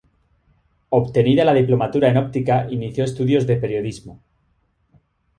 Obtenida la diplomatura en Óptica, inició estudios de Periodismo.